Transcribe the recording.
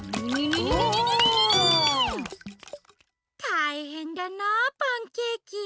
たいへんだなあパンケーキ。